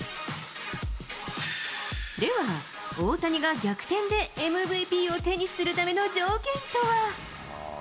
では、大谷が逆転でＭＶＰを手にするための条件とは。